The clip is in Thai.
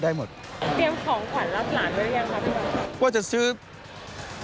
ปริยามของขวัญรับหลานไว้หรือยังครับพี่หมอ